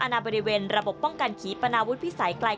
นาบริเวณระบบป้องกันขีปนาวุฒิพิสัยไกล